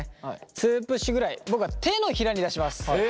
２プッシュぐらい僕は手のひらに出します。え！？